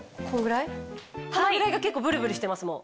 このぐらいが結構ブルブルしてます